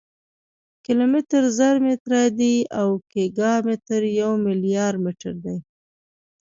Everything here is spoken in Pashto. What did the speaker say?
کیلومتر زر متره دی او ګیګا متر یو ملیارډ متره دی.